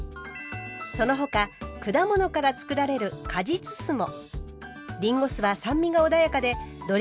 その他果物からつくられる果実酢も。